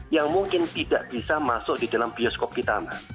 yang mungkin tidak bisa masuk di dalam bioskop kita mbak